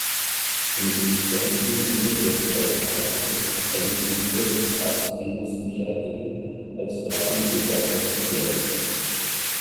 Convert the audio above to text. Im gesprengten Giebel des Altars ist eine Figur des Erzengels Michael als Drachentöter postiert.